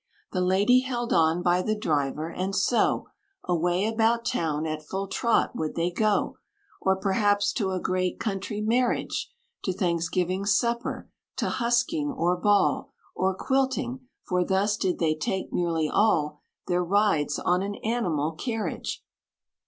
"The lady held on by the driver; and so, Away about town at full trot would they go; Or perhaps to a great country marriage, To Thanksgiving supper to husking, or ball; Or quilting; for thus did they take nearly all Their rides, on an animal carriage!